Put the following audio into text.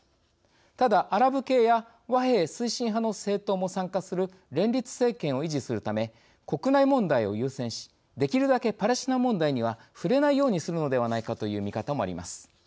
ただ、アラブ系や和平推進派の政党も参加する連立政権を維持するため国内問題を優先しできるだけパレスチナ問題には触れないようにするのではないかという見方もあります。